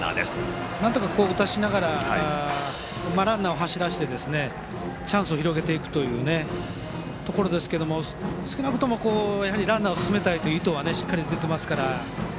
なんとか打たせながらランナーを走らせてチャンスを広げていくところですが少なくともランナーを進めたいという意図はしっかり出ていますから。